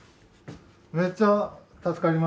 めっちゃ助かります。